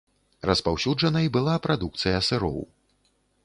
Распаўсюджанай была прадукцыя сыроў.